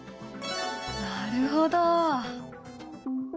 なるほど！